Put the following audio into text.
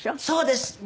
そうです。